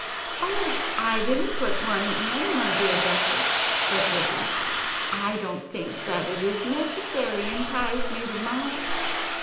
"Oh, I didn't put one in, my dear Duchess," said Ribby; "I don't think that it is necessary in pies made of mouse."